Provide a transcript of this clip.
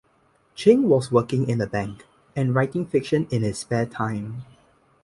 Cheng was working in a bank and writing fiction in his spare time.